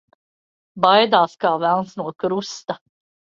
Baidās kā velns no krusta.